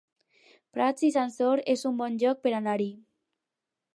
Prats i Sansor es un bon lloc per anar-hi